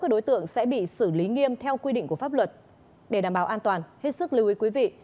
các đối tượng sẽ bị xử lý nghiêm theo quy định của pháp luật để đảm bảo an toàn hết sức lưu ý quý vị